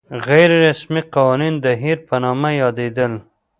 غیر رسمي قوانین د هیر په نامه یادېدل.